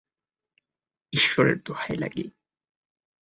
ঈশ্বরের দোহাই লাগে!